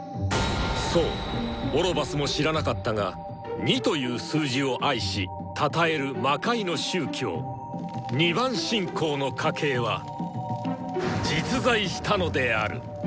そうオロバスも知らなかったが「２」という数字を愛したたえる魔界の宗教「２番信仰」の家系は実在したのである！